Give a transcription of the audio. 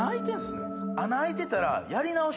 穴開いてたら。